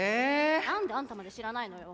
なんであんたまで知らないのよ。